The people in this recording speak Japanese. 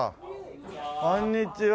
こんにちは。